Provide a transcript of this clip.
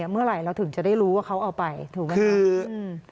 เมื่อไหร่เราถึงจะได้รู้ว่าเขาเอาไปถูกไหมครับ